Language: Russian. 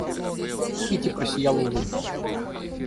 Кити просияла улыбкой.